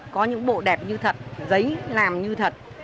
có những bộ đẹp như thật giấy làm như thật